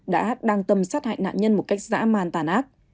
đã đang tâm sát hại nạn nhân một cách dã man tàn ác